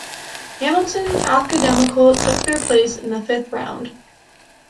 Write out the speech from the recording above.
Hamilton Academical took their place in the fifth round.